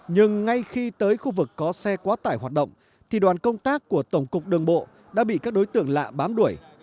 nhưng ngay khi tới khu vực có xe quá tải hoạt động thì đoàn công tác của tổng cục đường bộ đã bị các đối tượng lạ bám đuổi